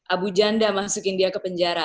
abu janda masukin dia ke penjara